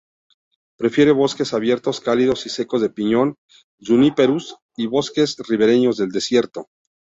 Prefiere bosques abiertos cálidos y secos de piñón -"Juniperus" y bosques ribereños del desierto.